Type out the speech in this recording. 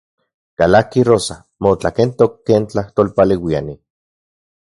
Kalaki Rosa, motlakentok ken tlajtolpaleuiani.